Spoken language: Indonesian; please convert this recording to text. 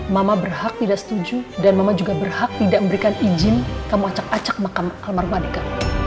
mama berhak tidak setuju dan mama juga berhak tidak memberikan izin kamu acak acak makam almarhumah dika